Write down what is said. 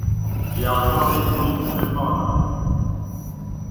只要稍微注意新闻报导